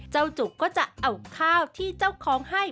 จุกก็จะเอาข้าวที่เจ้าของให้